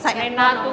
saya sudah lakukan